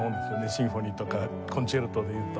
シンフォニーとかコンチェルトでいうと。